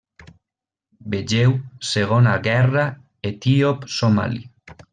Vegeu Segona guerra etíop-somali.